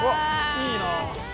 いいな。